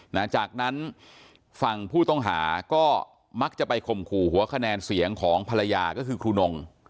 หลังจากนั้นฝั่งผู้ต้องหาก็มักจะไปข่มขู่หัวคะแนนเสียงของภรรยาก็คือครูนง